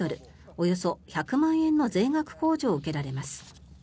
およそ１００万円の税額控除を受けられます。